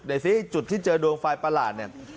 ซิจุดที่เจอดวงไฟประหลาดเนี่ย